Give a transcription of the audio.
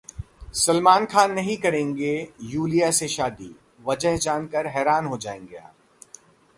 सलमान खान नहीं करेंगे यूलिया से शादी, वजह जानकर हैरान हो जाएंगे आप...